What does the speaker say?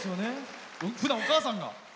ふだん、お母さん。